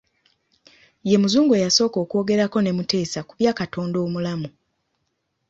Ye Muzungu eyasooka okwogerako ne Mutesa ku bya Katonda Omulamu.